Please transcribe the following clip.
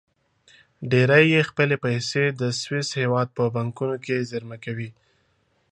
ډېری یې خپلې پیسې د سویس هېواد په بانکونو کې زېرمه کوي.